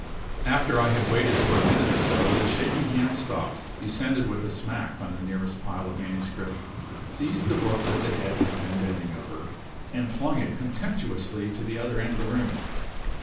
After I had waited for a minute or so, the shaking hand stopped, descended with a smack on the nearest pile of manuscript, seized the book that the head had been bending over, and flung it contemptuously to the other end of the room.